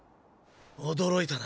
驚いたな。